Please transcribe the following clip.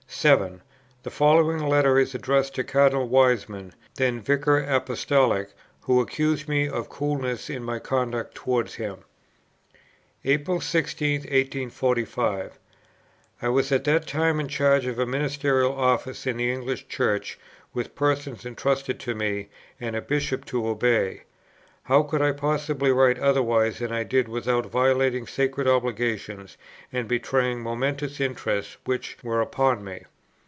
7. The following letter is addressed to Cardinal Wiseman, then Vicar Apostolic, who accused me of coldness in my conduct towards him: "April 16, 1845. I was at that time in charge of a ministerial office in the English Church, with persons entrusted to me, and a Bishop to obey; how could I possibly write otherwise than I did without violating sacred obligations and betraying momentous interests which were upon me?